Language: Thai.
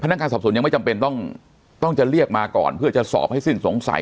นักการสอบสวนยังไม่จำเป็นต้องต้องจะเรียกมาก่อนเพื่อจะสอบให้สิ้นสงสัย